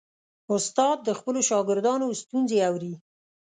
استاد د خپلو شاګردانو ستونزې اوري.